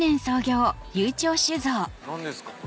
何ですか？